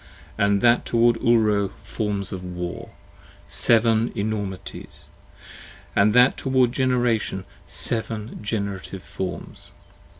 And that toward Ulro, forms of war: seven enormities: And that toward Generation, seven generative forms.